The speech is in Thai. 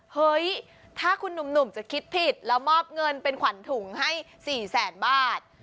เฮ้ยถ้าคุณหนุ่มจะคิดผิดแล้วมอบเงินเป็นขวัญถุงให้๔แสนบาท